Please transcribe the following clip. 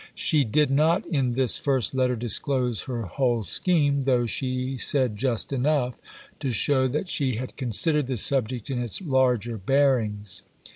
She did not in this first letter disclose her whole scheme, though she said just enough to show that she had considered the subject in its larger bearings.